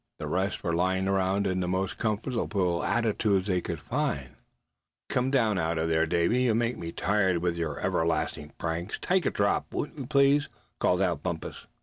The rest were lying around in the most comfortable attitudes they could find. "Oh! say, come down out of that, Davy; you make me tired with your everlasting pranks. Take a drop, won't you, please?" called out Bumpus.